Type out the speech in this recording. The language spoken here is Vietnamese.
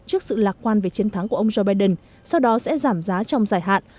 trước sự lạc quan về chiến thắng của ông joe biden sau đó sẽ giảm giá trong dài hạn